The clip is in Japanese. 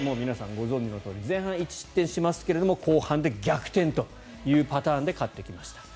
ご存じのとおり前半１失点しますが後半で逆転というパターンで勝ってきました。